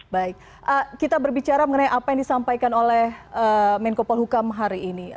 baik kita berbicara mengenai apa yang disampaikan oleh menko polhukam hari ini